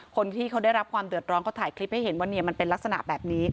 คนที่เขาได้รับความเดือดร้อนเขาถ่ายคลิปให้เห็นว่ามันเป็นลักษณะแบบนี้